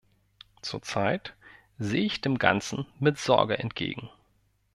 Zurzeit sehe ich dem Ganzen mit Sorge entgegen.